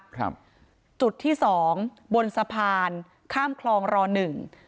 ครับจุดที่สองบนสะพานข้ามคลองรอหนึ่ง